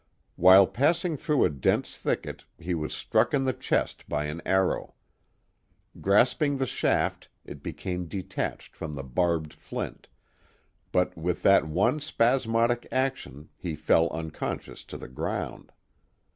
While passing through a dense thicket he was struck in the chest by an arrow. Grasping the shaft, it became detached from the barbed flint, but with that one spasmodic action he fell unconscious to the ground.